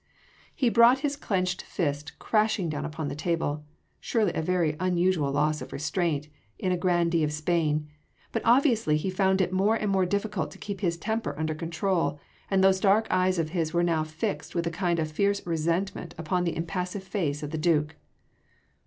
He brought his clenched fist crashing down upon the table: surely a very unusual loss of restraint in a grandee of Spain: but obviously he found it more and more difficult to keep his temper under control, and those dark eyes of his were now fixed with a kind of fierce resentment upon the impassive face of the Duke.